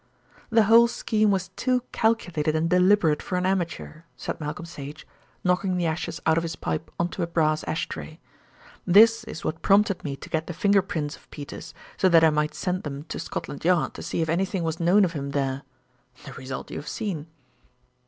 "The whole scheme was too calculated and deliberate for an amateur," said Malcolm Sage, knocking the ashes out of his pipe on to a brass ashtray. "That is what prompted me to get the fingerprints of Peters, so that I might send them to Scotland Yard to see if anything was known of him there. The result you have seen."